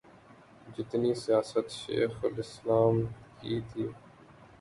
جتنی سیاست شیخ الاسلام کی تھی۔